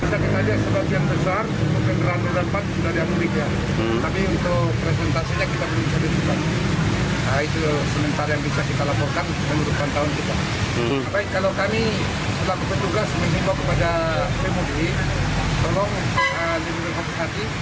tapi untuk presentasinya kita belum jadi